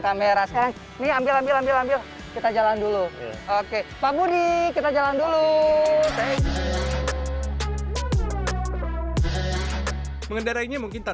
kamera saya ini ambil ambil kita jalan dulu oke pak budi kita jalan dulu mengendarainya mungkin